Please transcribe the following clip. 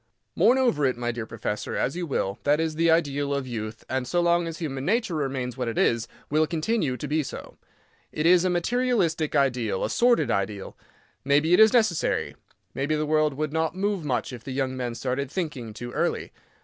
Mourn over it, my dear professor, as you will—that is the ideal of youth; and, so long as human nature remains what it is, will continue to be so. It is a materialistic ideal—a sordid ideal. Maybe it is necessary. Maybe the world would not move much if the young men started thinking too early.